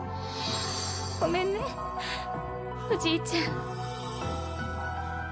ごめんねおじいちゃん。